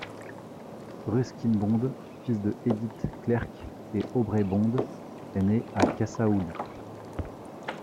Ruskin Bond, fils de Edith Clerke et Aubrey Bond, est né à Kasaouli.